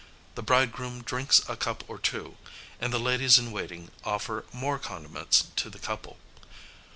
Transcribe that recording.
The bridegroom drinks a cup or two, and the ladies in waiting offer more condiments to the couple.